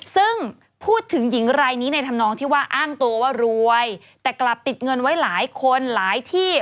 ซึ่งพูดถึงหญิงรายนี้ในธรรมนองที่ว่าอ้างตัวว่ารวยแต่กลับติดเงินไว้หลายคนหลายที่